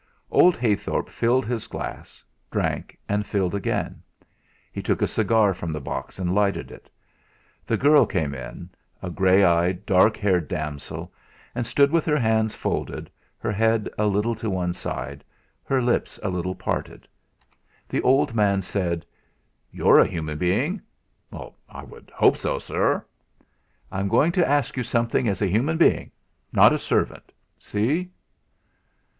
Old Heythorp filled his glass, drank, and filled again. He took a cigar from the box and lighted it. The girl came in, a grey eyed, dark haired damsel, and stood with her hands folded, her head a little to one side, her lips a little parted. The old man said: "You're a human being." "I would hope so, sirr." "I'm going to ask you something as a human being not a servant see?"